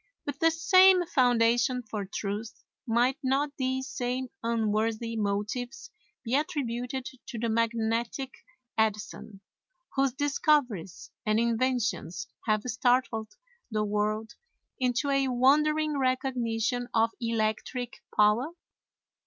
With the same foundation for truth, might not these same unworthy motives be attributed to the magnetic Edison, whose discoveries and inventions have startled the world into a wondering recognition of electric power?